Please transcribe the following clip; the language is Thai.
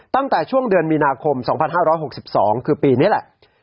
ตั้งแต่ช่วงเดือนมีนาคม๒๕๖๒คือปีนี้แหละ